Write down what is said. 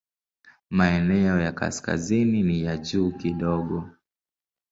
Maeneo ya kaskazini ni ya juu kidogo.